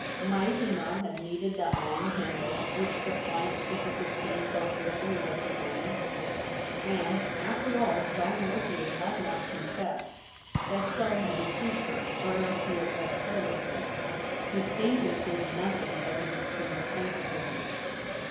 Might Jie not have needed that long ' handle, which the pliant stick of his cane so fearfully repre sented ? And, after all, Jean Mortier had not confessed. Gaston had de ceived her, or else he had read carelessly. His fainting proved noth ing but his extreme sensitiveness.